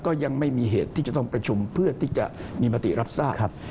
ก็ยังไม่มีเหตุที่จะต้องประชุมเพื่อที่จะมีมติรับทราบครับ